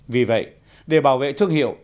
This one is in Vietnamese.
vì vậy để bảo vệ thương hiệu